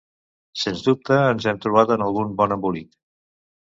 Sens dubte ens hem trobat en algun bon embolic.